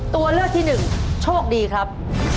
ตัวเลือกที่หนึ่งโชคดีครับ